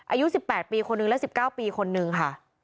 อายุ๑๘ปีคนนึงและ๑๙ปีคนนึงค่ะ